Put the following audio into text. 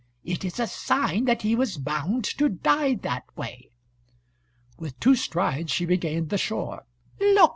It is a sign that he was bound to die that way." With two strides she regained the shore. "Look!"